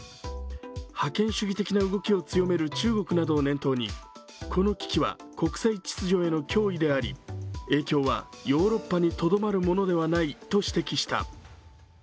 覇権主義的な動きを強める中国などを念頭にこの危機は国際秩序への脅威であり、影響はヨーロッパにとどまるものではないと指摘した。